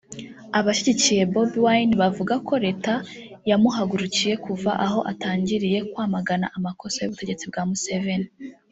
Abashyigikiye Bobi Wine bavuga ko leta yamuhagurukiye kuva aho atangiriye kwamagana amakosa y’ubutegetsi bwa Museveni